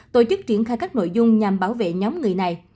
tổ chức triển khai các nội dung nhằm bảo vệ nhóm người này